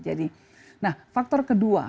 jadi nah faktor kedua